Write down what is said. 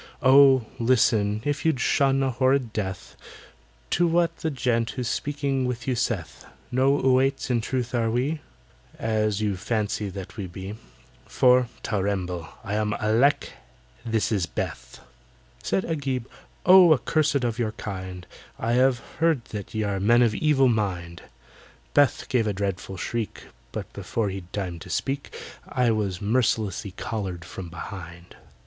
"Oh, listen, if you'd shun a horrid death, To what the gent who's speaking to you saith: No 'Oüaits' in truth are we, As you fancy that we be, For (ter remble!) I am ALECK—this is BETH!" Said AGIB, "Oh! accursed of your kind, I have heard that ye are men of evil mind!" BETH gave a dreadful shriek— But before he'd time to speak I was mercilessly collared from behind.